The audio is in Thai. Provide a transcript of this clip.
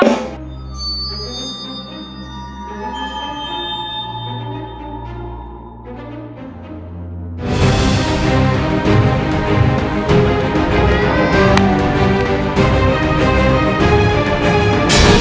ว้าว